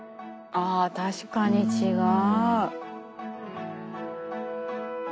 あ確かにちがう。